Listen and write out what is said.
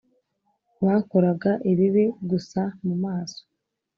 bakoraga ibibi gusa mu maso